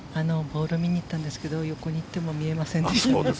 ボールを見に行ったんですが横に行っても見えませんでした。